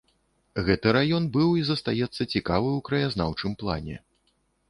Гэты раён быў і застаецца цікавы ў краязнаўчым плане.